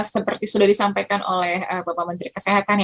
seperti sudah disampaikan oleh bapak menteri kesehatan